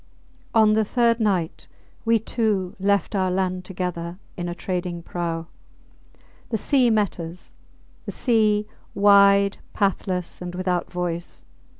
On the third night we two left our land together in a trading prau. The sea met us the sea, wide, pathless, and without voice.